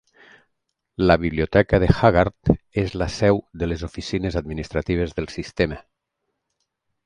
La Biblioteca de Haggard és la seu de les oficines administratives del sistema.